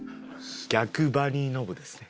逆バニーノブですね。